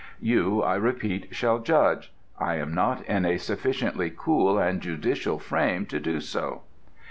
You, I repeat, shall judge: I am not in a sufficiently cool and judicial frame to do so.